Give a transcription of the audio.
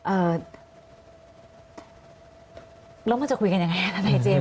เอ่อแล้วมันจะคุยกันยังไงอ่ะทนายเจมส